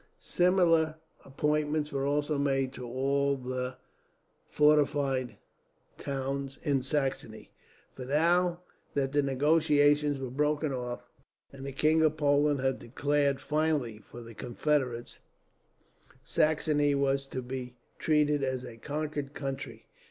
Similar appointments were also made to all the fortified towns in Saxony; for now that the negotiations were broken off, and the King of Poland had declared finally for the Confederates, Saxony was to be treated as a conquered country.